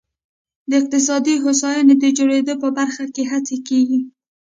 د اقتصادي هوساینې د جوړېدو په برخه کې هڅې کېږي.